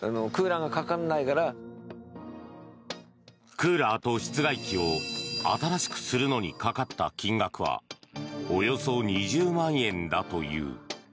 クーラーと室外機を新しくするのにかかった金額はおよそ２０万円だという。